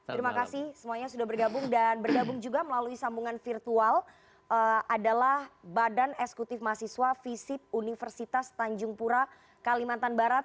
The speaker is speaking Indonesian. terima kasih semuanya sudah bergabung dan bergabung juga melalui sambungan virtual adalah badan eksekutif mahasiswa visip universitas tanjung pura kalimantan barat